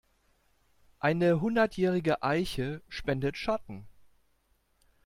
Eine hundertjährige Eiche spendet Schatten.